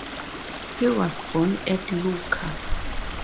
He was born at Lucca.